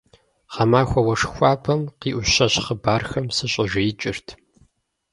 Гъэмахуэ уэшх хуабэм, къиӏущэщ хъыбархэм сыщӏэжеикӏырт.